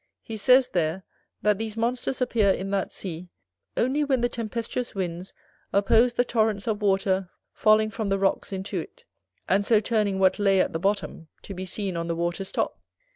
He says there, that these monsters appear in that sea, only when the tempestuous winds oppose the torrents of water falling from the rocks into it, and so turning what lay at the bottom to be seen on the water's top.